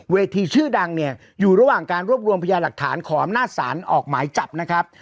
ชื่อดังเนี่ยอยู่ระหว่างการรวบรวมพยาหลักฐานขออำนาจศาลออกหมายจับนะครับ